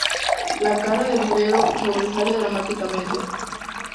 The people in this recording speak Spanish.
La cara de Durero sobresale dramáticamente.